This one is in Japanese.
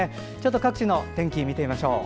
各地の天気を見てみましょう。